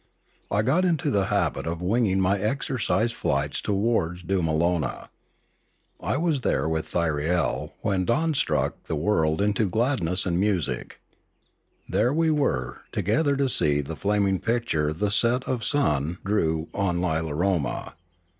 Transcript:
I got into the habit of wiuging my exercise flights towards Doomalona. I was there with Thyriel when dawn struck the world into gladness and music. There were we together to see the flaming picture the set of sun drew on Lilaroma.